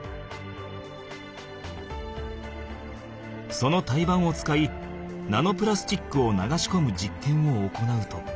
その胎盤を使いナノプラスチックを流しこむじっけんを行うと。